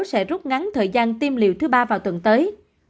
sẽ rút ngắn thời gian tiêm liều thứ ba vào tuần tới